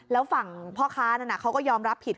แล้วฝั่งพ่อค้านั้นเขาก็ยอมรับผิด